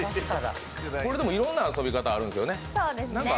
これ、いろんな遊び方があるんですよね。